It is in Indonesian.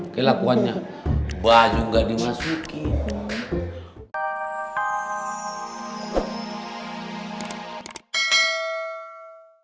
kelakuannya baju gak dimasukin